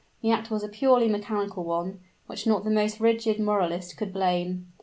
The act was a purely mechanical one, which not the most rigid moralist could blame.